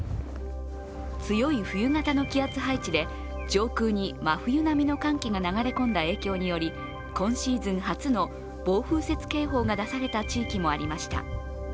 強い冬型の気圧配置で上空に真冬並みの寒気が流れ込んだ影響により今シーズン初の暴風雪警報が出された地域もありました。